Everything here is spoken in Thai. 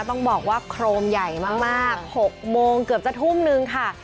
ต้องบอกว่าโครมใหญ่มาก๖โมงเกือบจะทุ่มนึงค่ะ